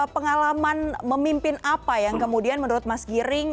pengalaman memimpin apa yang kemudian menurut mas giring